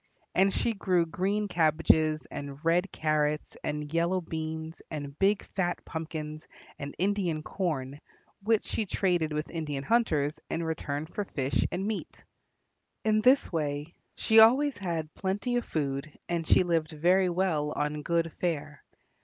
And she grew green cabbages and red carrots and yellow beans and big fat pumpkins and Indian corn, which she traded with Indian hunters in return for fish and meat. In this way she always had plenty of food, and she lived very well on good fare.